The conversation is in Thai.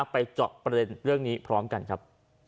เจาะประเด็นเรื่องนี้พร้อมกันครับ